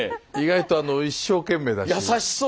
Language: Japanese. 意外とあの一生懸命だし。